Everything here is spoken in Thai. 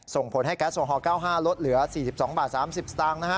ส่งผลให้แก๊สโซฮ๙๕ลดเหลือ๔๒๓๐บาท